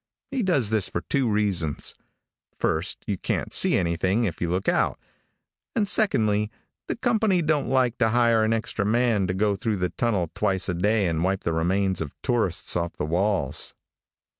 He does this for two reasons: first, you can't see anything if you look out, and secondly, the company don't like to hire an extra man to go through the tunnel twice a day and wipe the remains of tourists off the walls.